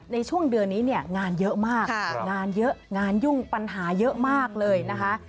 ในเดือนนี้งานเยอะมากงานยุ่งปัญหาเยอะมากเลยนะคะ